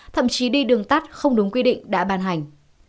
thậm chí đi đường tắt không đúng quy định đã ban hành